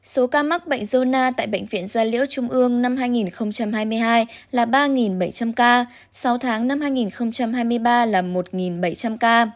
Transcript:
số ca mắc bệnh zona tại bệnh viện gia liễu trung ương năm hai nghìn hai mươi hai là ba bảy trăm linh ca sáu tháng năm hai nghìn hai mươi ba là một bảy trăm linh ca